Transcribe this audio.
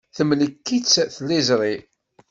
Temlek-itt tliẓri.